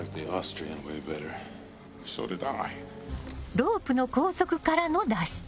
ロープの拘束からの脱出。